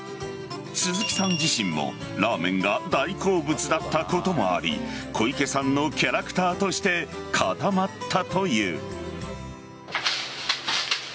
鈴木さん自身もラーメンが大好物だったこともあり小池さんのキャラクターとして固まったという。